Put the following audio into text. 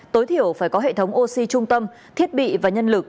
tối thiểu phải có hệ thống oxy trung tâm thiết bị và nhân lực